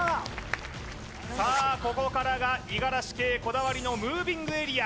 さあここからが五十嵐圭こだわりのムービングエリア